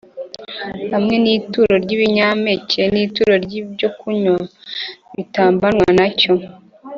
hamwe n ituro ry ibinyampeke n ituro ry ibyokunywa bitambanwa na cyo